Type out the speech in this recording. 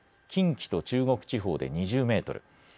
近畿と中国地方で２０メートル